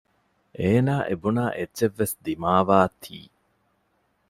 އޭނާ އެބުނާ އެއްޗެއް ވެސް ދިމާވާ ތީ